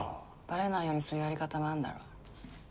バレないようにするやり方もあんだろ。